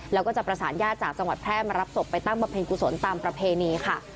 แล้วก็จะประสานญาติจากจังหวัดแพร่มารับศพไปตั้งบำเพ็ญกุศลตามประเพณีค่ะ